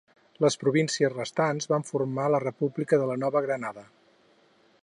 Les províncies restants van formar la República de la Nova Granada.